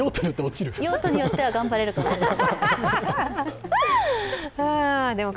用途によっては頑張れるかも。